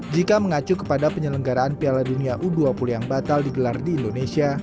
jika mengacu kepada penyelenggaraan piala dunia u dua puluh yang batal digelar di indonesia